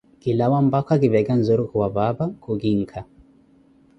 Kilawa mpakha kiveka nzurukhu wa paapa, khukinkha.